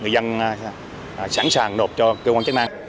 dân sẵn sàng nộp cho cơ quan chức năng